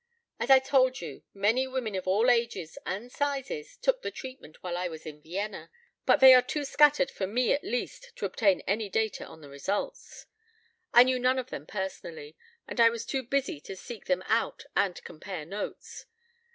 As I told you, many women of all ages and sizes took the treatment while I was in Vienna. But they are too scattered for me at least to obtain any data on the results. I knew none of them personally and I was too busy to seek them out and compare notes.